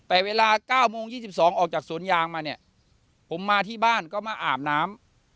แต่เวลา๙โมง๒๒ออกจากสวนยางมาเนี่ยผมมาที่บ้านก็มาอาบน้ำ